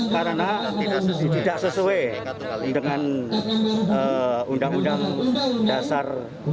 karena tidak sesuai dengan undang undang dasar seribu sembilan ratus empat puluh lima